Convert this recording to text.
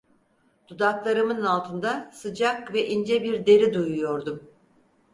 Dudaklarımın altında sıcak ve ince bir deri duyuyordum.